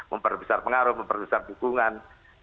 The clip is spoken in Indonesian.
memperbesar pengaruh memperbesar dukungan